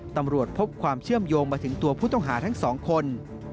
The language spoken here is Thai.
ตำรวจพบความเชื่อมโยงมาถึงตัวผู้ต้องหาทั้งสองคน